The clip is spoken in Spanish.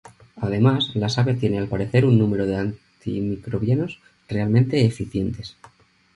Además, la savia tiene al parecer un número de antimicrobianos realmente eficientes.